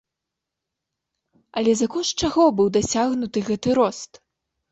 Але за кошт чаго быў дасягнуты гэты рост?